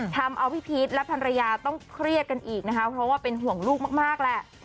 ทำเอาพี่พีชและภรรยาต้องเครียดกันอีกนะคะเพราะว่าเป็นห่วงลูกมากแหละ